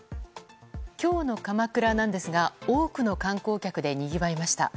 今日の鎌倉なんですが多くの観光客でにぎわいました。